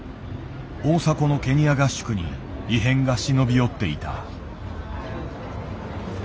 大迫のケニア合宿に異変が忍び寄っていた。